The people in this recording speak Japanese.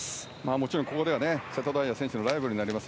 もちろん、ここには瀬戸大也選手のライバルになります